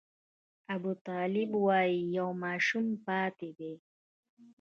ابوطالب وايي یو ماشوم پاتې دی.